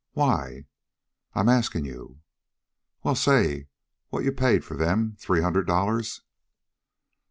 "Why?" "I 'm askin' you." "Well, say, what you paid for them three hundred dollars."